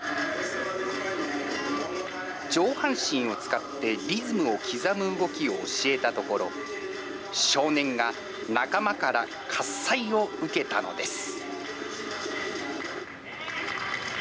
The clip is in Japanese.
上半身を使ってリズムを刻む動きを教えたところ、少年が仲間から喝采を受けたのです。